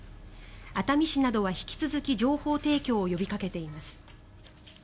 熱海市などは引き続き情報提供を呼びかけています。